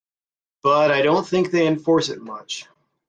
But I don't think they enforced it much.